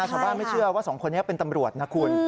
ชาวบ้านไม่เชื่อว่าสองคนนี้เป็นตำรวจนะคุณ